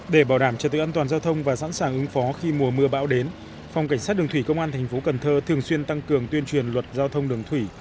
để bảo đảm trật tự an toàn giao thông và sẵn sàng ứng phó khi mùa mưa bão đến phòng cảnh sát đường thủy công an thành phố cần thơ thường xuyên tăng cường tuyên truyền luật giao thông đường thủy